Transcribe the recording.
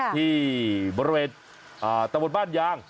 ที่บริเวณตะบนบ้านยาง